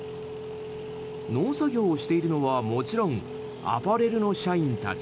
農作業をしているのはもちろんアパレルの社員たち。